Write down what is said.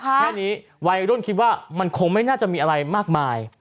แค่นี้วัยรุ่นคิดว่ามันคงไม่น่าจะมีอะไรมากมาย